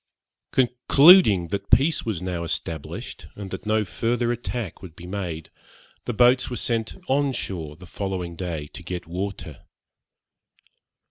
Concluding that peace was now established, and that no further attack would be made, the boats were sent on shore the following day to get water.